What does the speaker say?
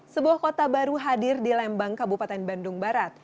sebuah kota baru hadir di lembang kabupaten bandung barat